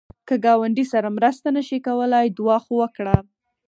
که ګاونډي سره مرسته نشې کولای، دعا خو وکړه